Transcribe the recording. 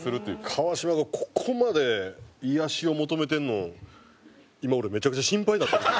川島がここまで癒やしを求めてるの今俺めちゃくちゃ心配になってる。